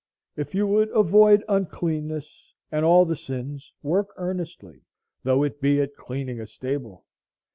If you would avoid uncleanness, and all the sins, work earnestly, though it be at cleaning a stable.